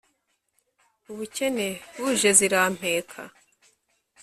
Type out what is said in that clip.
ubukene buje zirampeka